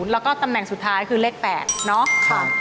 แล้วก็ตำแหน่งสุดท้ายคือเลข๘เนาะ